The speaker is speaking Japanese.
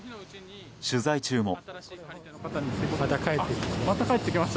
取材中も。